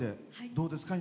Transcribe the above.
どうですか？